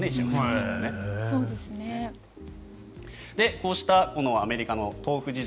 こうしたアメリカの豆腐事情